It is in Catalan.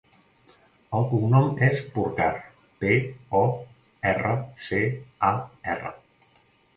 El cognom és Porcar: pe, o, erra, ce, a, erra.